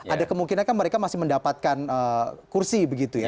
ada kemungkinan kan mereka masih mendapatkan kursi begitu ya